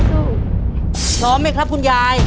พร้อมไหมครับคุณยาย